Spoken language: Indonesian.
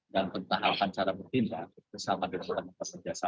dan pentahakan cara bertindak bersama dengan peserta samarga